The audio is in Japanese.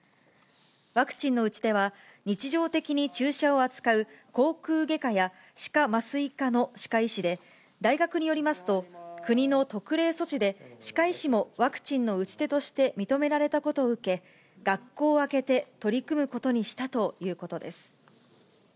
ワクチンの打ち手は、日常的に注射を扱う口くう外科や歯科麻酔科の歯科医師で、大学によりますと、国の特例措置で歯科医師もワクチンの打ち手として認められたことを受け、学校を挙げて取り組むことにしたということです。